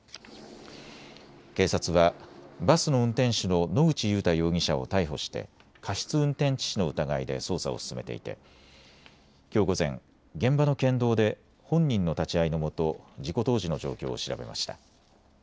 警察はバスの運転手の野口祐太容疑者を逮捕して過失運転致死の疑いで捜査を進めていてきょう午前、現場の県道で本人の立ち会いのもと事故当時の状況を調べました。